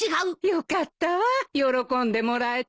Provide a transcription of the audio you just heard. よかったわ喜んでもらえて。